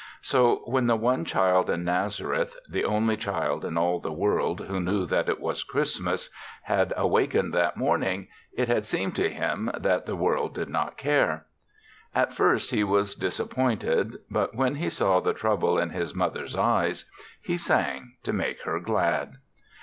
So, when the one child in Nazareth, the only child in all the world who knew that it was Christ mas, had awakened that morning, it had seemed to him that the world did not care. At first he was disap pointed ; but when he saw the trouble in his mother's eyes, he sang to make her glad.